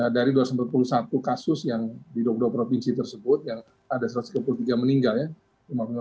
dari dua ratus empat puluh satu kasus yang di dua puluh dua provinsi tersebut yang ada satu ratus dua puluh tiga meninggal ya